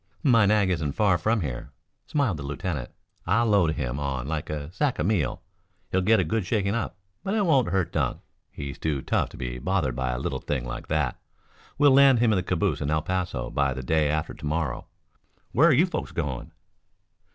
"My nag isn't far from here," smiled the lieutenant. "I'll load him on like a sack of meal. He'll get a good shaking up, but it won't hurt Dunk. He's too tough to be bothered by a little thing like that. We'll land him in the calaboose in El Paso by the day after to morrow. Where are you folks going?"